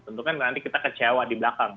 tentu kan nanti kita kecewa di belakang